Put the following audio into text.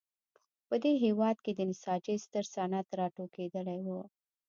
په دې هېواد کې د نساجۍ ستر صنعت راټوکېدلی و.